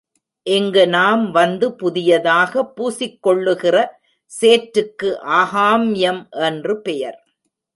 இங்கு நாம் வந்து புதியதாக பூசிக் கொள்ளுகிற சேற்றுக்கு ஆகாம்யம் என்று பெயர்.